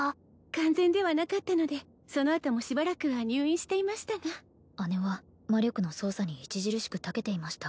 完全ではなかったのでそのあともしばらくは入院していましたが義姉は魔力の操作に著しくたけていました